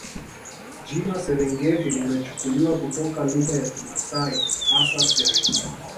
Jina Serengeti limechukuliwa kutoka lugha ya Kimasai hasa Serengit